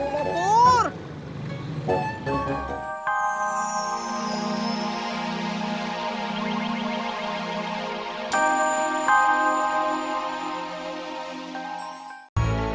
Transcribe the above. masya allah pur